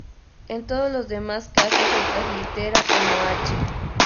En todos los demás casos, se translitera como "н".